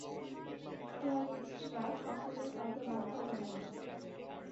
কোয়ালিস্টরা কখনোই কাউকে বাধ্য করে না।